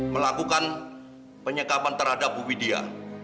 melakukan penyekapan terhadap bu widia